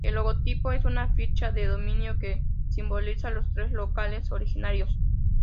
El logotipo es una ficha de dominó que simboliza los tres locales originarios.